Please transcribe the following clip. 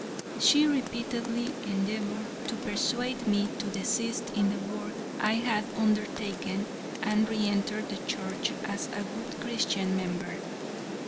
She repeatedly endeavored to persuade me to desist in the work I had undertaken and re enter the Church as a good Christian member.